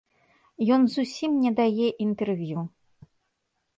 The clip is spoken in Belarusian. Ён зусім не дае інтэрв'ю.